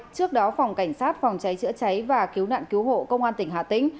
trước đó phòng cảnh sát phòng cháy chữa cháy và cứu nạn cứu hộ công an tỉnh hà tĩnh